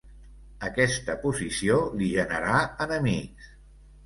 Aquesta posició li generà enemics.